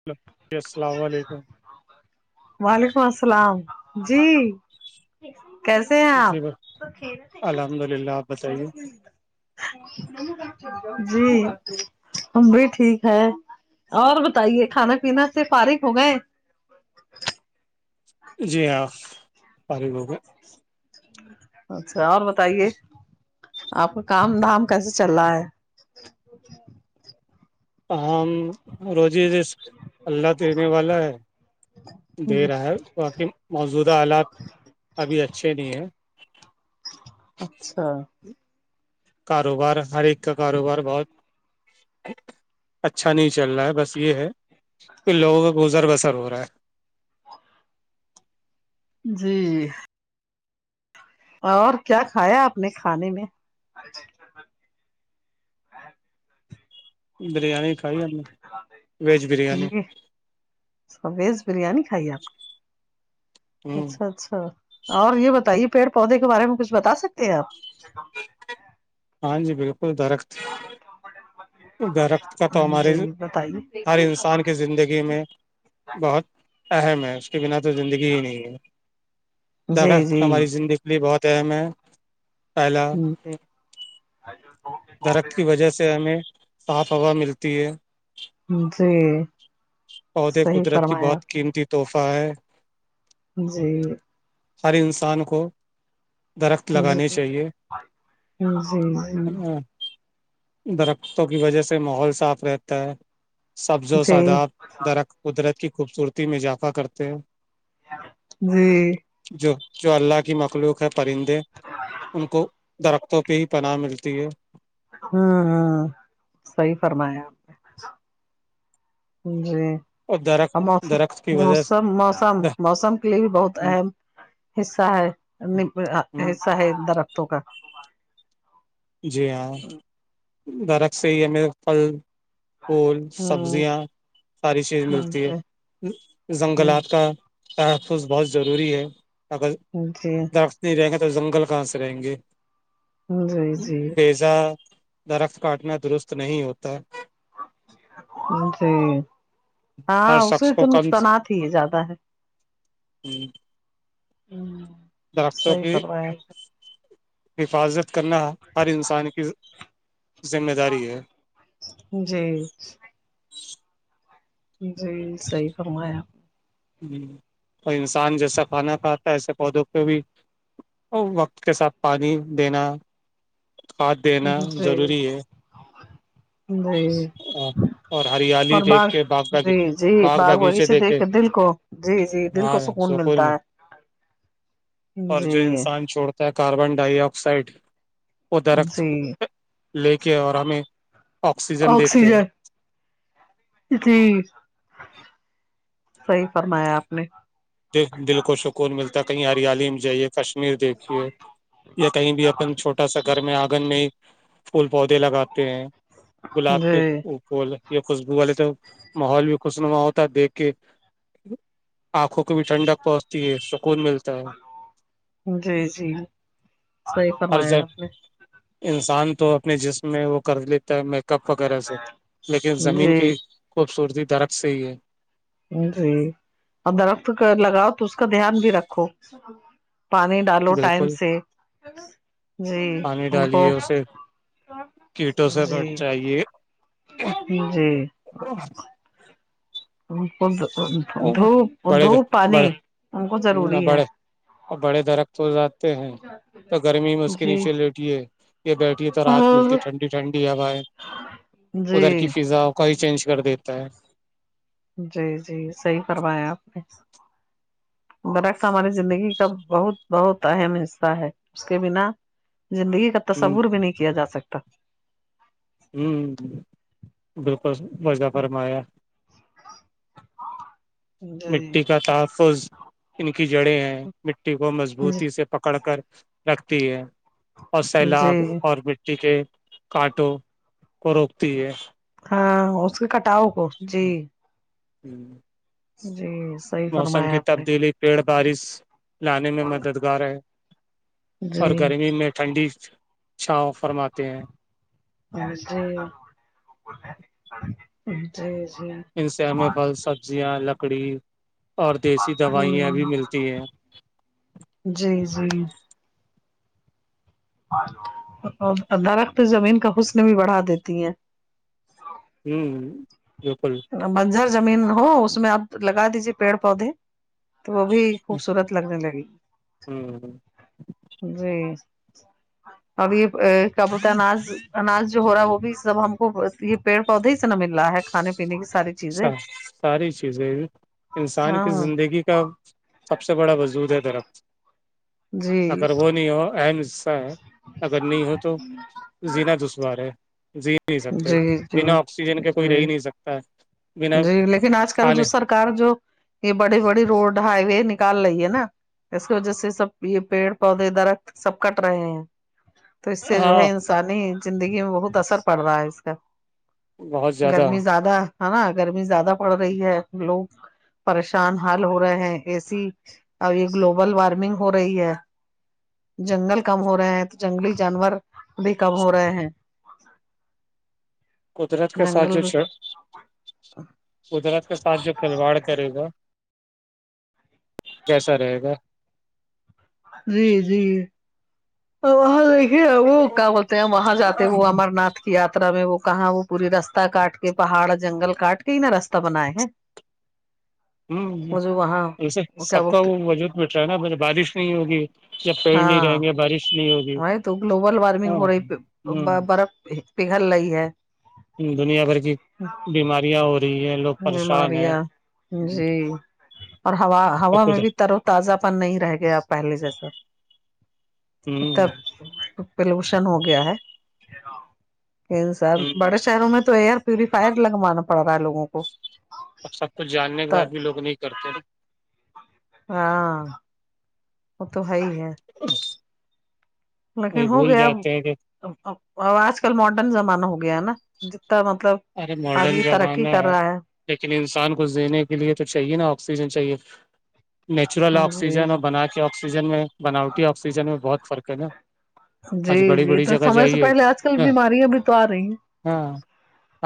Hello جی السلام علیکم وعلیکم السلام جی کیسے ہیں آپ جی [inaudible] الحمد للہ آپ بتائیے جی ہم بھی ٹھیک ہے اور بتائیے کھانا پینا سے فرق ہو گئے جی آف اچھا اور بتائیے آپ کا کام دھام کیسے چل رہا ہے ہم روزی ر اللہ دینے والا ہے دے رہا ہے باقی موجودہ حالات ابھی اچھے نہیں ہیں اچھا کاروبار ہر ایک کا کاروبار بہت اچھا نہیں چل رہا ہے بس یہ ہے کہ لوگوں کا گزر بسر ہو رہا ہے جی اور کیا کھایا آپ نے کھانے میں بریانی کھائی ہم نے ویج بریانی ویز بریانی کھائی آپ نے ہ اچھا اچھا اور یہ بتائیے پیڑ پودے کے بارے میں کچھ بتا سکتے ہیں آپ ہاں جی بالکل درخت [inaudible] [unintelligible] درخت کا تو ہمارے جی بتائیے ہر انسان کی زندگی میں بہت اہم ہے اس کے بنا تو زندگی ہی نہیں ہے جی درخت جی ہماری زندگی لی بہت اہم ہے پہلا [unintelligible] درخت کی وجہ سے ہمیں صاف ہوا ملتی ہے جی پودے صحیح قدرت کی فرمایا آپ۔ بہت قیمتی تحفہ ہے جی ہر انسان کو درخت جی جی لگانے چاہیے جی جی ہے نا درختوں کی وجہ سے ماحول صاف رہتا ہے سبز و ساداب درخت قدرت کی خوبصورتی میں اضافہ کرتے ہیں جی جو جو اللہ کی مخلوق ہے پرندے ان کو درختوں پہ ہی پناہ ملتی ہے ہاں ہاں صحی فرمایا آپ جی اور درخت اوروم درخت کی وجہ سے موسم موسم موسم کے لیے بھی بہت اہم حصہ ہے حصہ ہے درختوں کا جی ہاں درخت سے ہی ہے میرے پھل پھول ہوں سبزیاں ساری چیز ہوں ملتی ہے جنگلات کا تحفظ بہت ضروری ہے اگر جی درخت نہیں رہیں گا تو جنگل کہاں سے رہیں گے جی جی جی بیزا درخت کاٹنا درست نہیں ہوتا جی ہاں اسی ت تنات ہی ہے زیادہ ہے ہوں ہوں [unintelligible] [inaudible] درختوں کی حفاظت کرنا ہر انسان کی ذمہ داری ہے جی جی صحی فرمایا ہ اور انسان جیسا کھانا کھاتا ہے ایسے پودوں پہ بھی اور وقت کے ساتھ پانی دینا ہاتھ دینا ضروری ہے جیی اور ہریالی اور دیکھ باغ کے باغ جی جی باغ وایے دیکھ کے دل کو جی جی دل کو ہاں سکون ملتا میں ہے اور جو جی انسان چھوڑتا ہے کاربن ڈائی آکسائڈ وہ درخت جی لے کے اور ہمیں آکسیجن دیتے ہیں جی صحیح فرمایا آپ نے د دل کو سکون ملتا ہے کہیں ہریالی میں جائیے کشمیر دیکھیے یا کہیں بھی اپن چھوٹا چھوٹا سا گھر میں آنگن میں پھول پودے لگاتے ہیں گلاب کے جی یہ خوشبو والے تو ماحول بھی خوشنما ہوتا ہے دیکھ کے آنکھوں کو بھی ٹھنڈک پہنچتی ہے سکون ملتی جی جی صحیح ہر فرمایا جب آپ نے انسان تو اپنے جسم میں وہ کر لیتا ہے میک اپ وغیرہ سے لیکن زمین جی کی خوبصورتی درخت سے ہی ہے جی اور درخت کا لگاؤ تو اس کا دھیان بھی رکھو پانی ڈالو ٹائم بالکل سے جی پانی ان کو ڈالیے اسے کیٹوں سے جی بچائیے جی ا ان کو دھوپ بڑے دھوپ پانی بڑے ان کو ضروری ہے اور بڑے درخت ہو جاتے ہیں تو گرمی میں اس کے جی نیچے لیٹھی ہے یہ بیٹھی ہے تو رات اور ملتی ٹھنڈی ٹھنڈی ہوایں ادھر جی کی فضا کو ہی چینج کر دیتا ہے جی جی صحیح کروایا آپ نے برعکس ہماری زندگی کا بہت بہت اہم حصہ ہے اس کے بنا زندگی کا ہ تصور بھی نہیں کیا جا سکتا ہوں بالکل وظفرمایا جی مٹی کا تحفظ ان کی جڑیں ہیں مٹی کو جی مضبوطی سے پکڑ کر رکھتی ہے اور سیلاب جی اور مٹی کے کانٹوں کو روکتی ہے ہاں اس کے کٹاؤ کو جی ہوں جی صحیح موسم فرمایا کی آپ نے تبدیلی پیڑ بارش لانے میں مددگار ہے اور جی گرمی میں ٹھنڈی چاؤ فرماتے ہیں جی جی جی ان سے ہمیں پھل سبزیاں لکڑی اور دیسی دوائیاں ہوں بھی ملتی ہیں جی جی اور درخت زمین کا حسن بھی بڑھا دیتی ہیں ہوں بالکل بنجر زمین ہو اس میں آپ لگا دیجیے پیڑ پودے تو وہ بھی خوبصورت لگنے لگی ہوں جی اور یہ کبوتا اناج انج جو ہو رہا ہے وہ بھی سب ہم کو یہ پیڑ پودے ہی سے نہ مل رہا ہے کھانے پینے کی ساری چیزیں اچا ساری چیزیں انسان کی ہاں زندگی کا سب سے بڑا وجود ہے درف جی اگر وہ نہیں ہو اہم حصہ ہے ارے جی نہیں سکتے جی جی بنا آکسیجن کے کوئی جی رہ ہی نہیں سکتا بنا جی لیکن آج کل جو کھانے سرک جو یہ بڑی بڑی روڈ ہائی وے نکال رہی ہے نا اس کی وجہ سے سب یہ پیڑ پودے درخت سب کٹ رہے ہیں تو اس سے جو ہے ہاں انسانی زندگی میں بہت اثر پڑ رہا ہے اس کا گرمی زیادہ ہے نا گرمی زیادہ پڑ رہی ہے لوگ پریشان حال ہو رہے ہیں ایسی ا یہ گلوبل وارمنگ ہو رہی ہے جنگل کم ہو رہے ہیں تو جنگلی جانور بھی کم ہو رہے ہیں [unintelligible] [inaudible] قدرت کے ساتھ جنگل جو بھی چ قدرت کے ساتھ جو کھلواڑ کرے گا کیسا رہے گا جی جی وہاں دیکھیے وہ کیا بولتے ہیں ہم وہاں جاتے ہیں وہ امر ناتھ یاتا میں وہ کہاں وہ پوری رستہ کاٹ کے پہاڑ جنگل کاٹ کے ہی نا رستہ بنائے ہیں [unintelligible] [inaudible] ہوں وہ جو وہاں اسے وہ کیا سب کا بولتے وہ وجود بیٹ رہا ہے نا م بارش نہیں ہوگی جب پیڑ نہیں رہیں گے بارش نہیں ہوگی بائی تو گلوبل وارمنگ ہاں ہو رہی ہ برف پگل رہی ہے دنیا بھر کی بیماریاں ہو رہی ہیں لوگ پریشان ہیں بیماریاں جی اور ہوا ہوا سب میں کچھ بھی تر و تازہ پن نہیں رہ گیا پہلے جیسا ہ اتنا پولوشن ہو گیا ہے انسان ہ بار شہروں میں تو ایئر پیوریفائر لگوانا پڑ رہا ہے لووں کو اب سب کچھ جاننے کے بعد بھی لوگ نہیں کرتےے ہاں وہ تو ہے ہی ہے وہ لیکن ہو بھول گیا جاتے ہیں کہ آج کل ماڈرن زمانہ ہو گیا نا جتنا مطلب ارے ماڈرن آگے ترقی زمانہ کر رہا ہے لیکن انسان کو زنے کے لیے تو چاہیے نا آکسیجن چاہیے نیچرل ہے آکسیجن اور بنا کے آکسیجن میں بناوٹی آکسیجن میں بہت فرق ہے نا جی آج بڑی جی بڑی تو جگہ سمے سے جائیے پہلے آج کل بیماریاں بھی تو آ رہی ہیں ہاں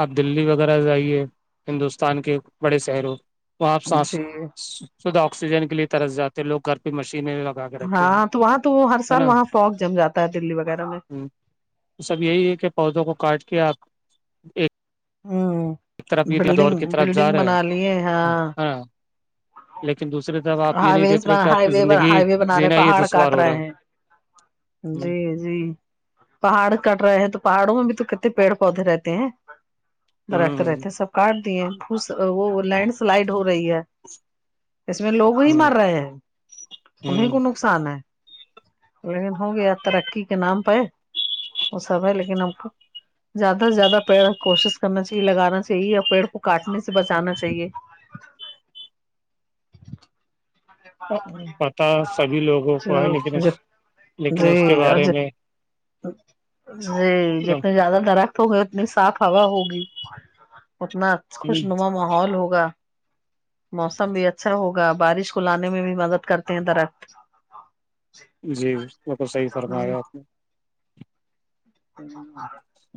آپ دلی وغیرہ جائیے ہندوستان کے بڑے شہروں وہاں ہیں سانس جی شدہ آکسیجن کے لیے ترس جاتے ہیں لوگ گھر پہ مشین ہاں تو وہاں تو ہر سال وہاں فوک جم جاتا ہے دلی وغیرہ میں سب یہی ہے کہ پودوں کو کاٹ کے آپ ایک ہوں طرف یہ دور بلڈنگ کی طرف بلڈنگ جا رہے بنا لیے ہاں لیکن دوسری طرف آپ یہ ہائی نہیں وز دیکھ رہے کہ آپ ہائی کی وے زندگی ہائی وے بنا رہے جینا یہ پہاڑ کاٹ دشوار ہو رہے رہا ہیں ہے جی جی پہاڑ کٹ رہے ہیں تو پہاڑوں میں بھی تو کٹے پیڑ پودے رہتے ہیں درخت ہ رہتے سب کاٹ دیے بھس وہ لینڈ سلائڈ ہو رہی ہے اس لوگ ہی ہ مر رہے ہیں ہ انیں ہ کو نقصان ہے لیکن ہو گیا ترقی کے نام پہ وہ سب ہے لیکن ہم کو زیادہ سے زیادہ پیڑ کوشش کرنا چاہیے لگانا چاہیے اور پیڑ کو کاٹنے سے بچانا چاہیے پتہ سبھی لوگوں کو ہے لیکن اس جی لیکن جی اس کے اج بارے میں جی جتنے زیادہ طرح گئے اتنی صاف ہوا ہوگی اتنا خوش نما ماحول ہوگا موسم بھی اچھا ہوگا بارش کو لانے میں بھی مدد کرتے ہیں درخت جی وہ تو صحیح ہ فرمایا آپ نے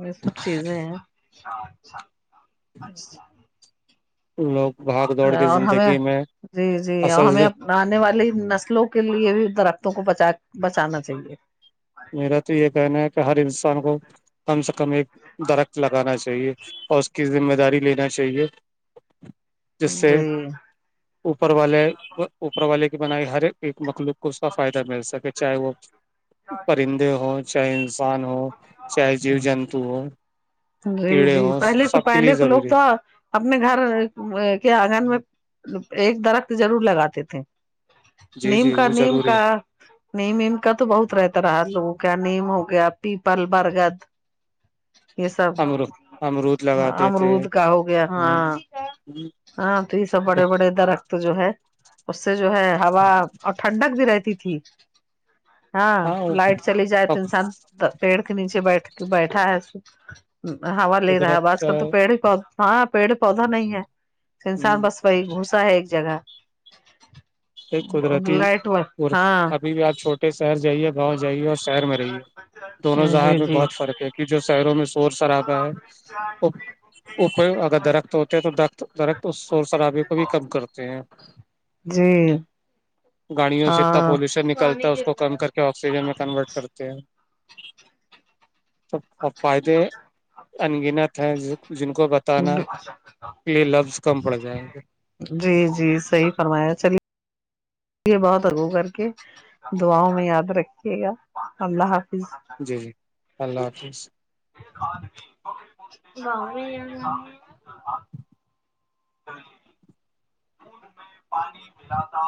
یہ سب چیزیں ہیں لوگ باہر اور ہمیں جی جی اور اصل ہمیں آنے والی نسلوں کے لیے درختوں کو بچا بچانا چاہیے میرا تو یہ کہنا ہے کہ ہر انسان کو کم سے کم ایک درخت لگانا چاہیے اور اس کی ذمہ داری لینا چاہیے [inaudible] جس سے جی اوپر والے اوپر والے کی بنائی ہر ایک مخلوق کو اس کا فائدہ مل سکے چاہے وہ ہاں پرندے ہو چاہے انسان ہو چاہے جیو جنتو ہو جی کیڑے جی ہو پہلے سب کے لیے پہلے لوگ ضروری تو ہے اپنے گھر کے آنگن میں ایک درخت ضرور لگاتے تھے جی نیم جی کا وہ نیم ضروری کا ہے نیم ایم کا تو بہت رہتا رہا لوگوں کیا نیم ہو گیا پیپل برگد یہ سب امر امرود لگاتے تھے امرود کا ہو گیا ہاں ہاں تو سب بڑے بڑے درخت تو جو ہے اس سے جو ہے ہوا اور ٹھنڈک بھی رہتی تھی ہاں لائٹ چلی جائے تو انسان پیڑ کے نیچے بیٹھ کے بیٹھا ہے ہا لے رہا ہے اب قدرت آج کل تو پیڑ پود ہاں پیڑ پودا نہیں ہے انسان بس کوئی گھسا ہے ایک جگہ ایک قدرتی لائٹ ہاں ابھی بھی آ چھوٹ شہر جائیے گاؤں جائیے اور شہر میں رہیے دونوں ہان جی میں جی بہت فرق ہے کہ جو شہروں میں شور شرابہ ہے اوپر اگر درخت ہوتے ہیں تو درخت درخت اس شور شرابے کو بھی کم کرتے ہیں جی گاڑیوں سے اتنا ہاں پالیوشن نکلتا ہے اس کو کم کر کہ آکسیجن میں کنورٹ کرتے ہیں تو فائدے انگنت ہے جن کو بتانا جی میرے لفظ کم پڑ جائیں گے جی جی صحیح فرمایا چلیے یہ بہت اگے کر کے دعاؤ میں یاد رکھیے گا اللہ حافظ جی جی اللہ ج حافظ گا میں دودھ میں پانی ملاتا